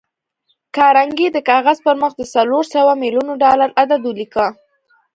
کارنګي د کاغذ پر مخ د څلور سوه ميليونه ډالر عدد وليکه.